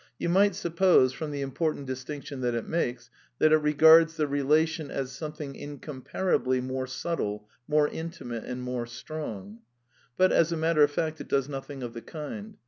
You might suppose, from the impor tant distinction that it makes, that it regards the relation as something incomparably more subtle, more intimate, and more strong. But, as a matter of fact, it does nothing of the kind.